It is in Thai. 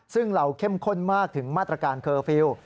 ซึ่งเราเข้มข้นมากถึงมาตรการเคอร์ฟิลล์